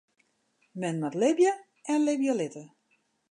Men moat libje en libje litte.